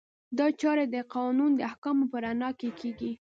دا چارې د قانون د احکامو په رڼا کې کیږي.